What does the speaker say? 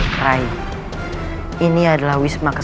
rai ini adalah